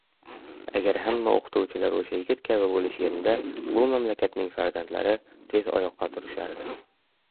Agar hamma oʻqituvchilar oʻsha yigit kabi boʻlishganida bu mamlakatning farzandlari tez oyoqqa turishardi.